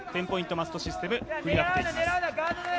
マストシステムで積み上げていきます。